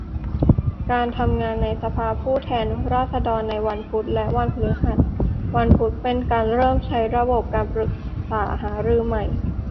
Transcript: การทำงานในสภาผู้แทนราษฎรในวันพุธ และ วันพฤหัส วันพุธเป็นการเริ่มใช้ระบบการปรึกษาหารือใหม่